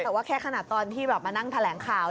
แต่ว่าแค่ขนาดตอนที่มานั่งแถลงข่าว